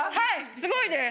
すごいです。